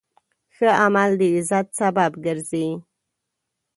ښه عمل د عزت سبب ګرځي.